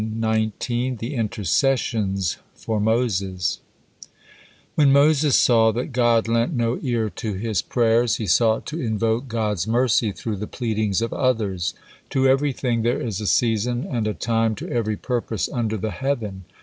THE INTERCESSIONS FOR MOSES When Moses saw that God lent no ear to his prayers, he sought to invoke God's mercy through the pleadings of others. "To everything there is a season, and a time to every purpose under the heaven."